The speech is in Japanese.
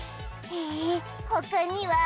へぇほかには？